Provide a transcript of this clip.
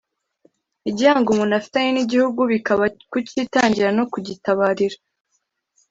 igihango umuntu afitanye n’igihugu bikaba kucyitangira no kugitabarira